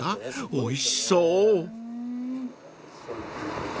［おいしそう］